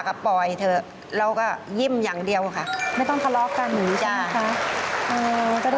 ค่ะหลอกแต่กิจใจดีปัจจุบันไม่หลอก